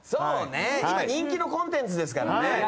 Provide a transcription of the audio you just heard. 今人気のコンテンツですからね。